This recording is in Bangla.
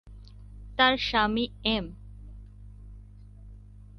তাঁর স্বামী এম।